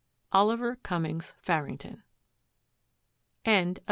Oliver Cummings Farrington. THE CROCUS.